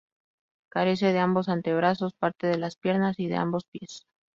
Carece de ambos antebrazos, parte de las piernas y de ambos pies.